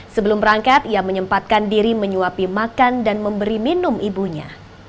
sebelum berangkat ia menyempatkan diri menyuapi makan dan memberi minum ibunya